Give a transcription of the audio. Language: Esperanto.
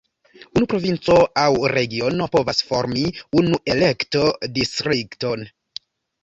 Unu provinco aŭ regiono povas formi unu elekto-distrikton.